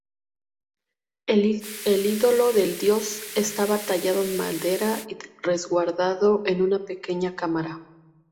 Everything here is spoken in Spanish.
El ídolo del dios estaba tallado en madera y resguardado en una pequeña cámara.